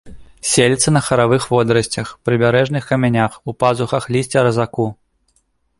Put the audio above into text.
Селіцца на харавых водарасцях, прыбярэжных камянях, у пазухах лісця разаку.